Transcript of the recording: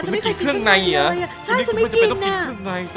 มือชั้นเจ็ด